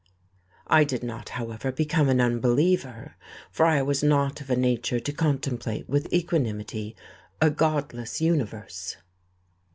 I did not, however, become an unbeliever, for I was not of a nature to contemplate with equanimity a godless universe....